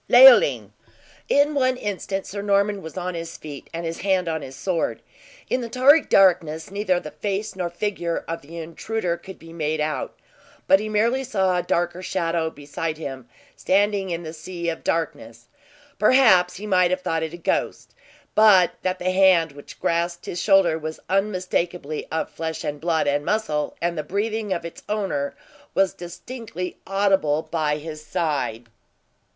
LEOLINE. In one instant Sir Norman was on his feet and his hand on his sword. In the tarry darkness, neither the face nor figure of the intruder could be made out, but he merely saw a darker shadow beside him standing in the sea of darkness. Perhaps he might have thought it a ghost, but that the hand which grasped his shoulder was unmistakably of flesh, and blood, and muscle, and the breathing of its owner was distinctly audible by his side.